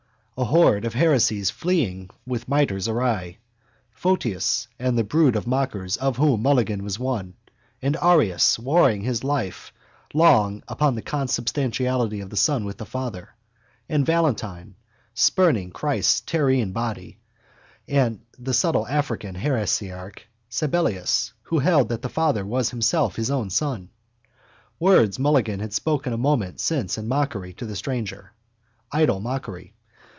A horde of heresies fleeing with mitres awry: Photius and the brood of mockers of whom Mulligan was one, and Arius, warring his life long upon the consubstantiality of the Son with the Father, and Valentine, spurning Christ's terrene body, and the subtle African heresiarch Sabellius who held that the Father was Himself His own Son. Words Mulligan had spoken a moment since in mockery to the stranger. Idle mockery.